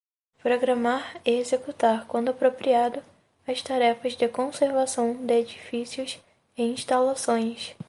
Programar e executar, quando apropriado, as tarefas de conservação de edifícios e instalações.